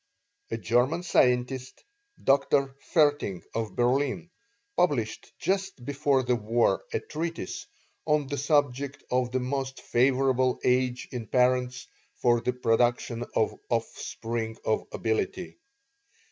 A German scientist, Dr. Vaerting, of Berlin, published just before the War a treatise on the subject of the most favorable age in parents for the production of offspring of ability.